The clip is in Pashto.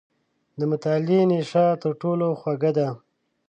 • د مطالعې نیشه تر ټولو خوږه ده.